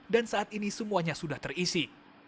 dan saat ini semuanya sudah terisi